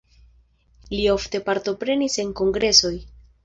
Li ofte partoprenis en kongresoj.